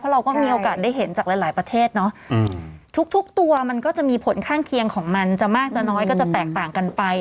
เราก็มีโอกาสได้เห็นจากหลายประเทศเนาะทุกตัวมันก็จะมีผลข้างเคียงของมันจะมากจะน้อยก็จะแตกต่างกันไป